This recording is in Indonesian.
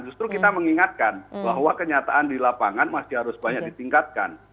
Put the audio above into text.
justru kita mengingatkan bahwa kenyataan di lapangan masih harus banyak ditingkatkan